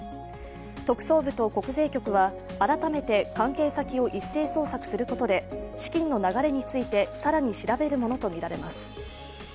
特捜部と国税局は改めて関係先を一斉捜索することで資金の流れについて更に調べるものとみられます。